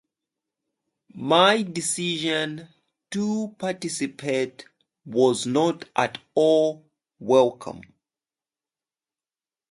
My decision to participate was not at all welcome.